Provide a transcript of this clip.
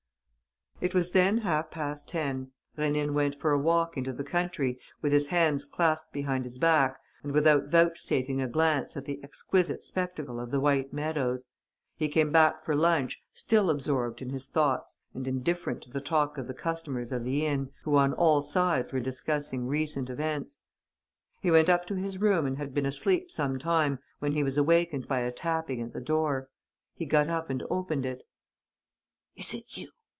It was then half past ten. Rénine went for a walk into the country, with his hands clasped behind his back and without vouchsafing a glance at the exquisite spectacle of the white meadows. He came back for lunch, still absorbed in his thoughts and indifferent to the talk of the customers of the inn, who on all sides were discussing recent events. He went up to his room and had been asleep some time when he was awakened by a tapping at the door. He got up and opened it: "Is it you?...